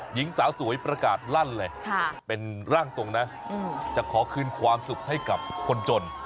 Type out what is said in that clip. หญิงสาวสวยประกาศลั่นเลยเป็นร่างทรงนะจะขอคืนความสุขให้กับคนจน